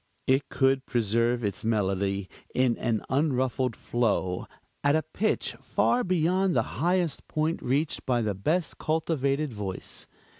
It could preserve its melody in an unruffled flow, at a pitch far beyond the highest point reached by the best cultivated voice.